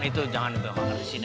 itu jangan di sini